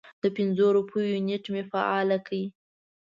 د پنځو روپیو نیټ مې فعال کړی